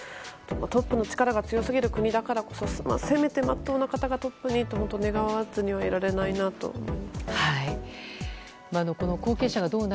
トップの力が強すぎる国だからこそせめてまっとうな方がトップにと願わずにはいられないなと思います。